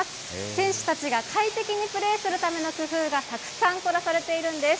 選手たちが快適にプレーするための工夫がたくさん凝らされているんです。